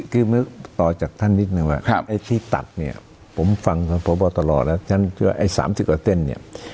คือต่อจากท่านนิดนึงว่าไอ้ที่ตัดเนี่ยผมฟังท่านพบตลอดแล้วท่านเชื่อไอ้๓๐กว่าเส้นเนี่ย